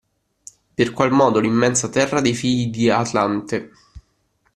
Per qual modo l'immensa terra dei figli di Atlante.